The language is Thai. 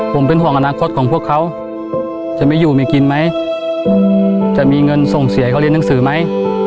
ผมเป็นห่วงอนาคตของพวกเขาจะไม่อยู่ไม่กินไหมจะมีเงินส่งเสียเขาเรียนหนังสือไหม